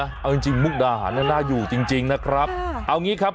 เอาจริงจริงมุกดาหารนั้นน่าอยู่จริงจริงนะครับเอางี้ครับ